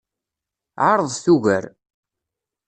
Ɛeṛḍet ugar.